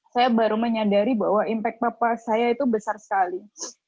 saya baru menyadari bahwa impact papa saya itu besar sekali